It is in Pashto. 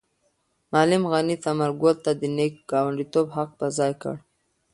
معلم غني ثمر ګل ته د نېک ګاونډیتوب حق په ځای کړ.